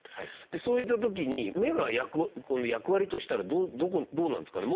でそういった時に目がこの役割としたらどこどうなんですかね。